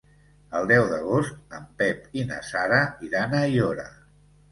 El deu d'agost en Pep i na Sara iran a Aiora.